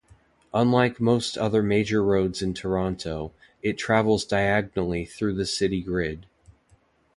Unlike most other major roads in Toronto, it travels diagonally through the city grid.